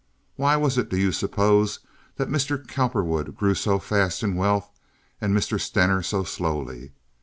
Why was it, do you suppose, that Mr. Cowperwood grew so fast in wealth and Mr. Stener so slowly?